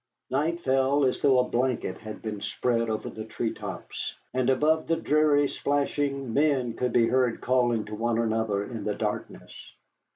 Night fell as though a blanket had been spread over the tree tops, and above the dreary splashing men could be heard calling to one another in the darkness.